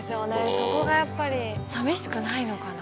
そこがやっぱりさみしくないのかな？